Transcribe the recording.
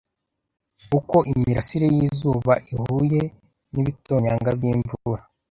uko imirasire y’izuba ihuye n’ibitonyanga by’imvura